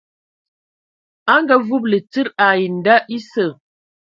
A ngaavúbulu tsid ai nda esǝ.